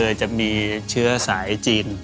จะมีเชื้อสายจีน